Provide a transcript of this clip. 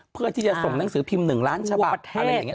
เพื่อที่จะส่งหนังสือพิมพ์๑ล้านฉบับอะไรอย่างนี้